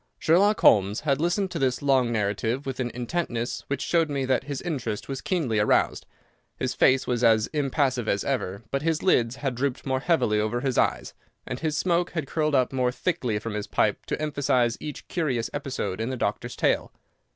Sherlock Holmes had listened to this long narrative with an intentness which showed me that his interest was keenly aroused. His face was as impassive as ever, but his lids had drooped more heavily over his eyes, and his smoke had curled up more thickly from his pipe to emphasize each curious episode in the doctor's tale.